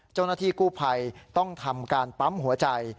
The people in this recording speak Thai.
เจ้าหน้าที่กู้ภัยต้องทำการปั๊มหัวใจ